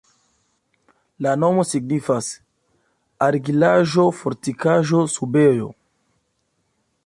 La nomo signifas: argilaĵo-fortikaĵo-subejo.